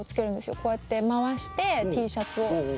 こうやって回してＴシャツを。